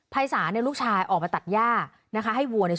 ภัยสารลูกชายออกมาตัดย่าให้วัวในช่วงใดง่ายกว่าเนี่ยเลยไปก่อนแน่นอน